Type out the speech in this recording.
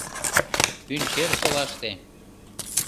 — Пӱнчерсолаште.